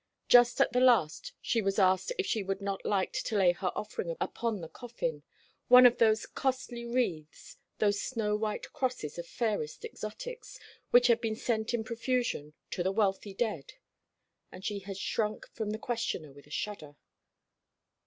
Just at the last she was asked if she would not like to lay her offering upon the coffin one of those costly wreaths, those snow white crosses of fairest exotics, which had been sent in profusion to the wealthy dead and she had shrunk from the questioner with a shudder.